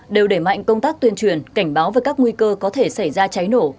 đều đẩy mạnh công tác tuyên truyền cảnh báo về các nguy cơ có thể xảy ra cháy nổ